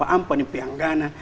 ini yang memiliki peyanggana